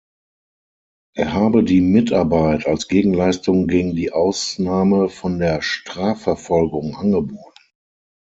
Er habe die Mitarbeit als Gegenleistung gegen die Ausnahme von der Strafverfolgung angeboten.